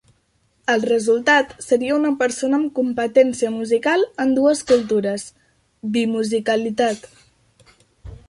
El resultat seria una persona amb competència musical en dues cultures: "bimusicalitat".